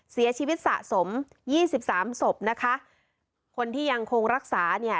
เสียชีวิตสะสมยี่สิบสามศพนะคะคนที่ยังคงรักษาเนี่ย